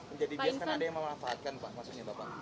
menjadi bias kan ada yang memanfaatkan pak maksudnya bapak